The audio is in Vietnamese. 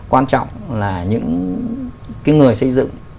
quan trọng là những cái người xây dựng